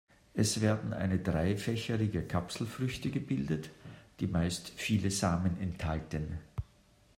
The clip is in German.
Es werden eine dreifächerige Kapselfrüchte gebildet, die meist viele Samen enthalten.